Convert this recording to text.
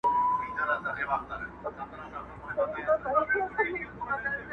په یوه لیدو په زړه باندي خوږ من سو!